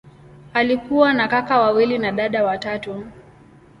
Alikuwa na kaka wawili na dada watatu.